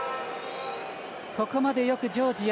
ここまでよくジョージア